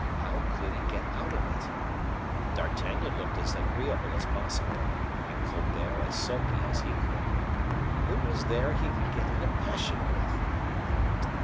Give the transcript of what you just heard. How could he get out of it? D'Artagnan looked as agreeable as possible, and Colbert as sulky as he could. Who was there he could get in a passion with?